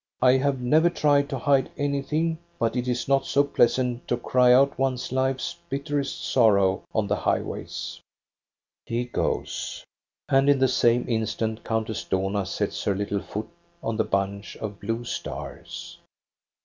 I have never tried to hide anything; but it is not so pleasant to cry out one's life's bitterest sorrow on the high ways. " He goes. And in the same instant Countess Dohna sets her little foot on the bunch of blue stars.